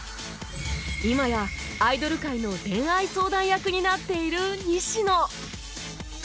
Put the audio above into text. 今やアイドル界の恋愛相談役になっている西野